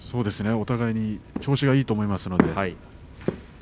お互いに調子がいいと思いますのでね。